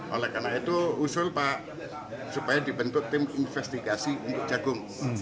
oleh karena itu usul pak supaya dibentuk tim investigasi untuk jagung